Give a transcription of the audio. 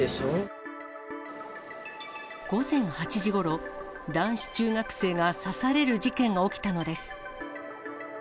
午前８時ごろ、男子中学生が刺される事件が起きたのです。